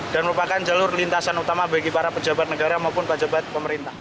dan merupakan jalur lintasan utama bagi para pejabat negara maupun pejabat pemerintah